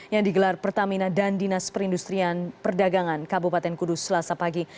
yang digelar pertamina dan dinas perindustrian perdagangan kabupaten kudus selasa pagi